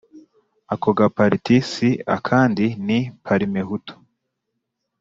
ako gapariti si akandi ni parmehutu ..